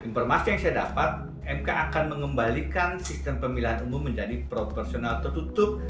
informasi yang saya dapat mk akan mengembalikan sistem pemilihan umum menjadi proporsional tertutup